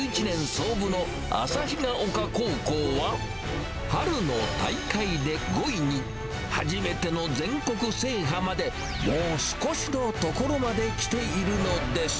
創部の旭丘高校は、春の大会で５位に、初めての全国制覇まで、もう少しのところまで来ているのです。